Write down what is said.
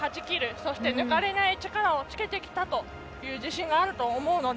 そして、抜かれない力をつけてきたという自信があると思うので。